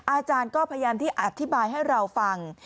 อาจารย์ก็พยายามที่อธิบายให้เราฟัง